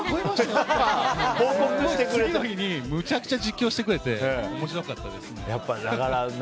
次の日にむちゃくちゃ実況してくれて面白かったですね。